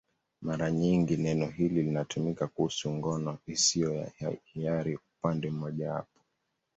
Mara nyingi neno hili linatumika kuhusu ngono isiyo ya hiari upande mmojawapo.